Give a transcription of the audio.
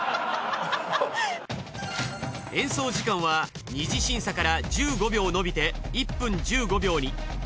演奏時間は二次審査から１５秒のびて１分１５秒に。